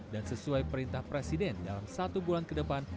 dan sesuai perintah presiden dalam satu bulan kedepan